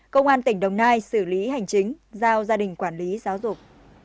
công an tỉnh đồng nai xử lý hành chính giao gia đình quản lý giáo dục